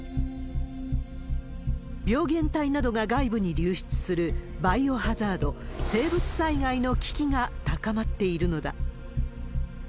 病原体などが外部に流出するバイオハザード・生物災害の危機が高まっているのだ。